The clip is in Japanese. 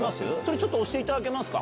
ちょっと押していただけますか。